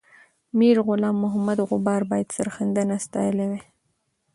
میرغلام محمد غبار باید سرښندنه ستایلې وای.